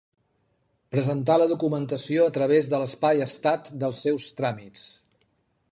Presentar la documentació a través de l'espai Estat dels seus tràmits.